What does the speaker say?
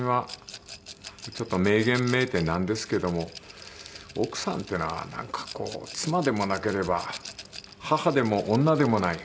ちょっと名言めいてなんですけども奥さんっていうのはなんかこう妻でもなければ母でも女でもない。